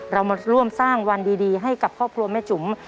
เรามาร่วมสร้างวันดีให้กับครอบครัวแม่จุ๋ม